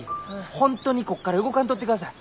本当にここから動かんとってください。